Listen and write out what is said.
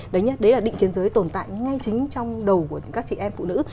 đấy nhất đấy là định kiến giới tồn tại ngay chính trong đầu của các chị em phụ nữ